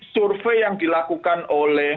survei yang dilakukan oleh